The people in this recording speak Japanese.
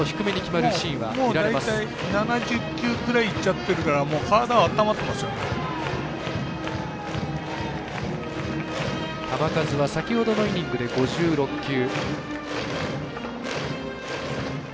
もう大体７０球くらいいっちゃってるから球数は先ほどのイニングで５６球。